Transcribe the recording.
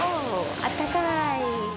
あったかい。